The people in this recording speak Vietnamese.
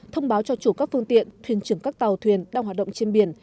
thông báo cho chủ các phương tiện thuyền trưởng các tàu thuyền đang hoạt động trên biển